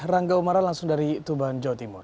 rangga umara langsung dari tuban jawa timur